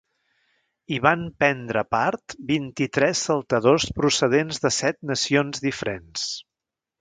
Hi van prendre part vint-i-tres saltadors procedents de set nacions diferents.